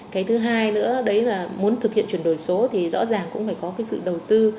cái thứ hai nữa đấy là muốn thực hiện chuyển đổi số thì rõ ràng cũng phải có cái sự đầu tư